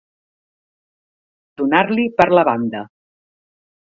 Donar-li per la banda.